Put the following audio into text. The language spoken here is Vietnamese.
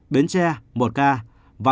biến tre một ca